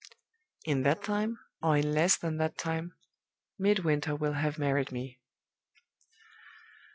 In that time, or in less than that time, Midwinter will have married me."